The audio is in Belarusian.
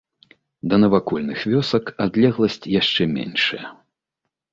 Да навакольных вёсак адлегласць яшчэ меншая.